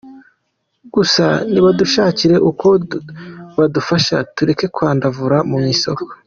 Gusa nibadushakire uko badufasha tureke kwandavura mu isoko.